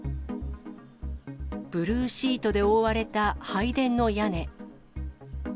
ブルーシートで覆われた拝殿の屋根。